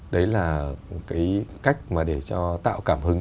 đấy là cái cách mà để cho tạo cảm hứng